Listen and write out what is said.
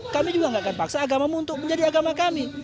kami juga nggak akan paksa agamamu untuk menjadi agama kami